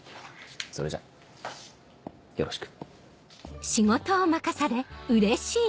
それじゃよろしく。